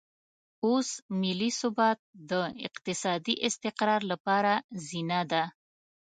اوس ملي ثبات د اقتصادي استقرار لپاره زینه ده.